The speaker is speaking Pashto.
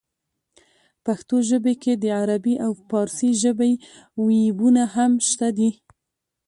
پښتو ژبې کې د عربۍ او پارسۍ ژبې وييونه هم شته دي